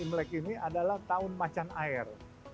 imlek ini adalah tahun macan air